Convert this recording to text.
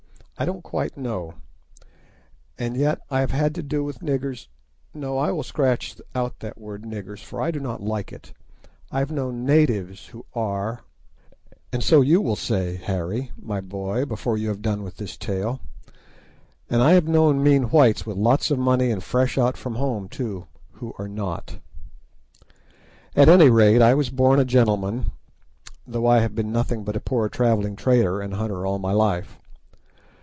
I don't quite know, and yet I have had to do with niggers—no, I will scratch out that word "niggers," for I do not like it. I've known natives who are, and so you will say, Harry, my boy, before you have done with this tale, and I have known mean whites with lots of money and fresh out from home, too, who are not. At any rate, I was born a gentleman, though I have been nothing but a poor travelling trader and hunter all my life.